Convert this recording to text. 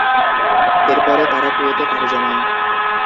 এরপরে তারা কুয়েতে পাড়ি জমায়।